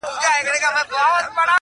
که زه مړ سوم ما به څوک په دعا یاد کي.!